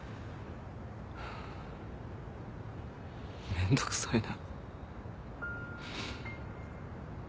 めんどくさいな。